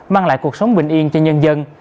mang lại cuộc sống bình yên cho nhân dân